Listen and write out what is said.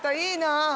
いいなぁ。